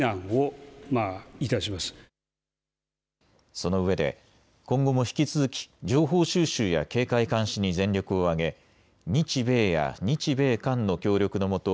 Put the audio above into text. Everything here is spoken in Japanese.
そのうえで今後も引き続き情報収集や警戒監視に全力を挙げ日米や日米韓の協力のもと